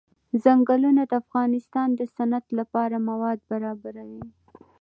ځنګلونه د افغانستان د صنعت لپاره مواد برابروي.